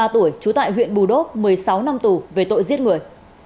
ba mươi ba tuổi trú tại huyện bù đốc một mươi sáu năm tù về tội giết người